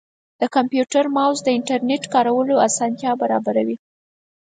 د کمپیوټر ماؤس د انټرنیټ کارولو اسانتیا برابروي.